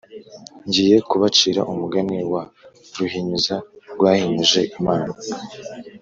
Ngiye kubacira umugani wa Ruhinyuza rwahinyuje Imana